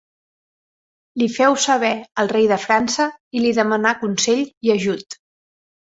Li féu saber al rei de França i li demanà consell i ajut.